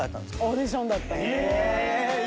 オーディションだったんです。